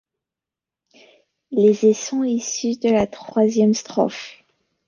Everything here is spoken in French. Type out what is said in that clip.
Les et sont issus de la troisième strophe.